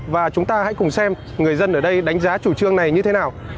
và chúng ta hãy cùng xem người dân ở đây đánh giá chủ trương này như thế nào